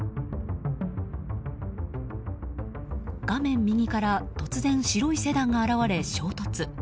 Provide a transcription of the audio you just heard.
画面右から突然、白いセダンが現れ、衝突。